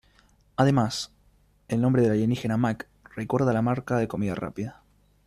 Además, el nombre del alienígena "Mac" recuerda a la marca de comida rápida.